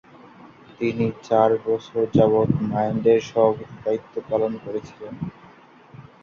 তিনি চার বছর যাবৎ "মাইন্ড"-এর সভাপতির দায়িত্ব পালন করেছিলেন।